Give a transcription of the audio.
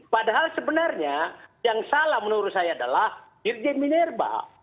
padahal sebenarnya yang salah menurut saya adalah dirjen minerba